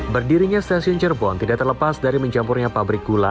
berdirinya stasiun cirebon tidak terlepas dari mencampurnya pabrik gula